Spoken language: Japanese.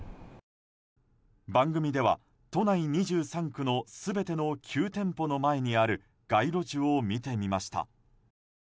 番組では都内２３区の全ての９店舗の前にある街路樹を見てみました。